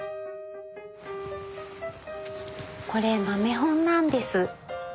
これ豆本なんです。